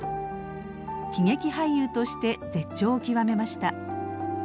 喜劇俳優として絶頂を極めました。